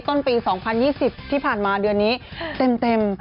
ต้นปี๒๐๒๐ที่ผ่านมาเดือนนี้เต็ม